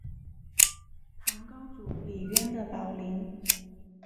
唐高祖李渊的宝林。